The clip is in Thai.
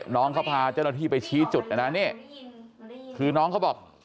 น้องเขาพาเจ้าหน้าที่ไปชี้จุดนะนะนี่คือน้องเขาบอก